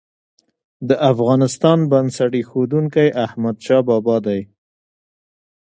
د افغانستان بنسټ ايښودونکی احمدشاه بابا دی.